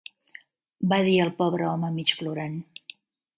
Va dir el pobre home mig plorant.